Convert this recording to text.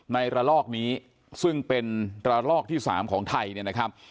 ในระลอกนี้ซึ่งเป็นระลอกที่๓ของไทยเนี่ยนะครับ